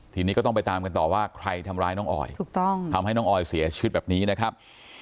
ทีนี้ก็ต้องไปตามกันต่อว่าใครทำร้ายน้องออยถูกต้องทำให้น้องออยเสียชีวิตแบบนี้นะครับ